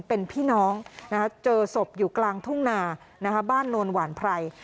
เป็นพี่น้องเจอศพอยู่กลางทุ่งนาบ้านโนนหวานไพร